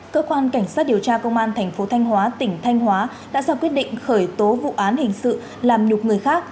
cơ quan cảnh sát điều tra công an thành phố thanh hóa tỉnh thanh hóa đã ra quyết định khởi tố vụ án hình sự làm nhục người khác